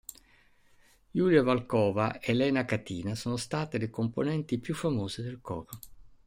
Julia Volkova e Lena Katina sono state le componenti più famose del coro.